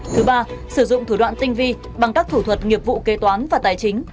thứ ba sử dụng thủ đoạn tinh vi bằng các thủ thuật nghiệp vụ kê toán và tài chính